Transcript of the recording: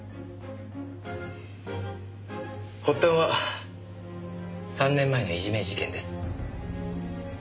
発端は３年前のいじめ事件です。